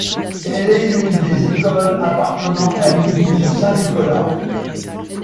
Elle est l'une des écoles appartenant à l'église Saint-Nicolas.